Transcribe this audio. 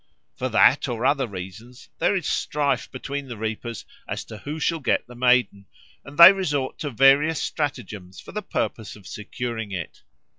For that or other reasons there is a strife between the reapers as to who shall get the Maiden, and they resort to various stratagems for the purpose of securing it.